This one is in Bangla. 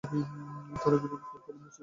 থেরাপির ফলে মস্তিষ্ক দূর্বল হয়ে যায়।